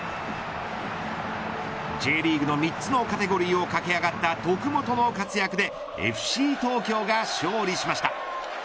Ｊリーグの３つのカテゴリーを駆け上がった徳元の活躍でＦＣ東京が勝利しました。